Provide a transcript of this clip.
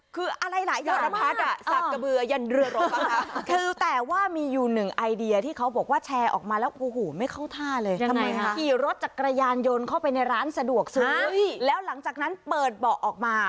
คืออะไรหลายอย่างบางทั้ง